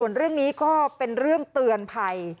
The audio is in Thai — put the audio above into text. ส่วนเรื่องนี้ก็เป็นเรื่องเตือนภัย